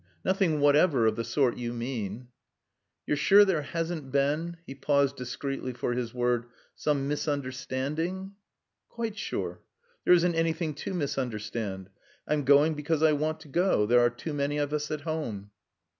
Nothing whatever of the sort you mean." "You're sure there hasn't been" he paused discreetly for his word "some misunderstanding?" "Quite sure. There isn't anything to misunderstand. I'm going because I want to go. There are too many of us at home."